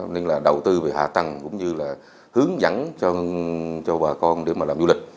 nên là đầu tư về hạ tầng cũng như là hướng dẫn cho bà con để mà làm du lịch